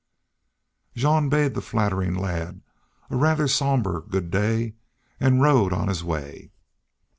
Jean bade the flattering lad a rather sober good day and rode on his way.